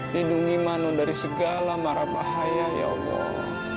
lindungi mano dari segala marah bahaya ya allah